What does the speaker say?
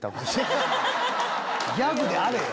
ギャグであれよ！